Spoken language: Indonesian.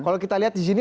kalau kita lihat di sini